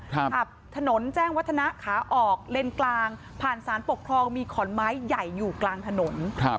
ขับถนนแจ้งวัฒนะขาออกเลนกลางผ่านสารปกครองมีขอนไม้ใหญ่อยู่กลางถนนครับ